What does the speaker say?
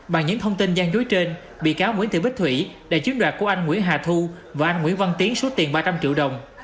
bằng những thông tin gian dối trên bị cáo nguyễn thị bích thủy đã chiếm đoạt của anh nguyễn hà thu và anh nguyễn văn tiến số tiền ba trăm linh triệu đồng